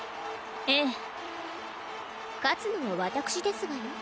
ええ勝つのは私ですわよ